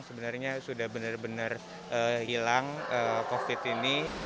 sebenarnya sudah benar benar hilang covid ini